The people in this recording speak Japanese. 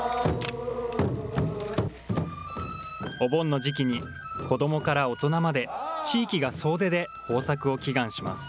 お盆の時期に、子どもから大人まで、地域が総出で豊作を祈願します。